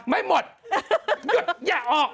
ไม่หมดหยุดอย่าออก